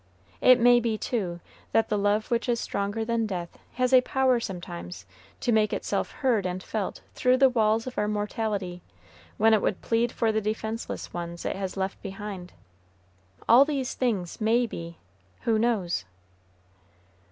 It may be, too, that the love which is stronger than death has a power sometimes to make itself heard and felt through the walls of our mortality, when it would plead for the defenseless ones it has left behind. All these things may be, who knows?